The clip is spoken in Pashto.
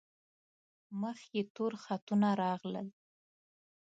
مخ یې تور خطونه راغلل.